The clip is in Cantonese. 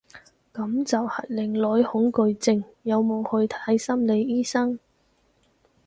噉就係靚女恐懼症，有冇去睇心理醫生？